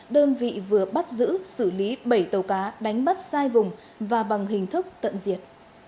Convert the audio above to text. đơn vị vừa bắt giữ xử lý bảy tàu cá đánh bắt sai vùng và bằng hình thức tận diệt